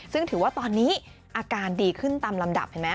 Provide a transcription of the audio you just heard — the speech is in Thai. ซึ่งถือว่าตอนนี้อาการดีขึ้นตามลำดับเห็นไหม